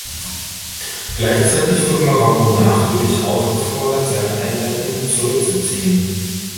Gleichzeitig wurde Marokko nachdrücklich aufgefordert, seine Einheiten zurückzuziehen.